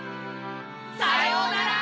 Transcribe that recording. さようなら！